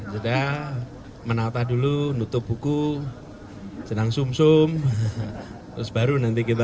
sudah menata dulu nutup buku senang sum sum terus baru nanti kita